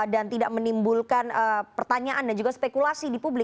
dan tidak menimbulkan pertanyaan dan juga spekulasi